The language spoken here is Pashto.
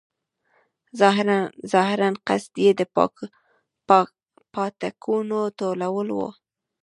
ظاهراً قصد یې د پاټکونو ټولول وو.